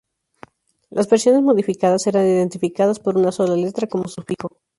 Las versiones modificadas eran identificadas por una sola letra como sufijo.